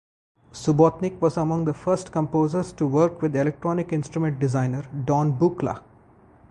Subotnick was among the first composers to work with electronic instrument designer Don Buchla.